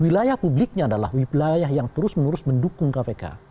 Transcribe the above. wilayah publiknya adalah wilayah yang terus menerus mendukung kpk